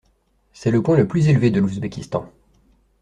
C'est le point le plus élevé de l'Ouzbékistan.